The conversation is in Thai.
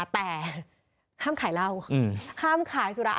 แต่ห้ามขายเล่า